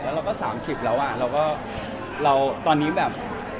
แล้วเราก็สามสิบแล้วเราก็ตอนนี้แบบ